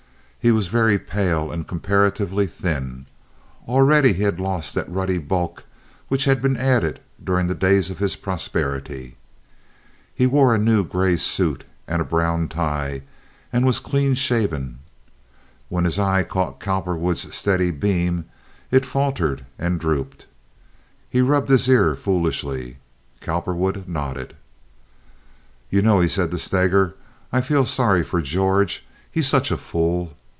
He was very pale and comparatively thin. Already he had lost that ruddy bulk which had been added during the days of his prosperity. He wore a new gray suit and a brown tie, and was clean shaven. When his eye caught Cowperwood's steady beam, it faltered and drooped. He rubbed his ear foolishly. Cowperwood nodded. "You know," he said to Steger, "I feel sorry for George. He's such a fool.